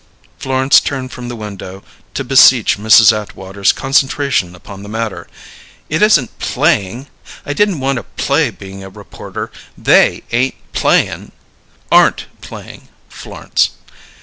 Florence turned from the window to beseech Mrs. Atwater's concentration upon the matter. "It isn't 'playing'! I didn't want to 'play' being a reporter; they ain't 'playing' " "Aren't playing, Florence."